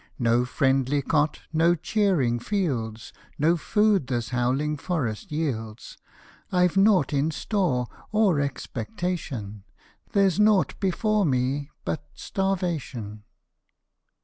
No friendly cot, no cheering fields, No food this howling forest yields ; I've nought in store or expectation ; There's nought before me but starvation.